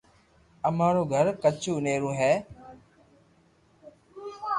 اما رو گھر ڪچو ٺيورو ھي